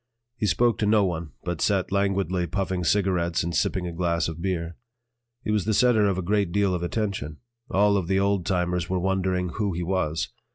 He spoke to no one, but sat languidly puffing cigarettes and sipping a glass of beer. He was the center of a great deal of attention; all of the old timers were wondering who he was.